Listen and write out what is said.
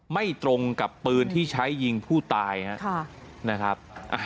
ไม่ตรงกับปืนที่ใช้ยิงผู้ตายนะครับ